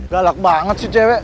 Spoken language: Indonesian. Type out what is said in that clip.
galak banget sih cewek